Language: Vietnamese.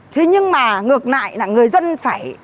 thế nhưng mà ngược lại là người dân phải